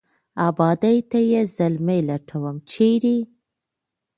آبادۍ ته یې زلمي لټوم ، چېرې ؟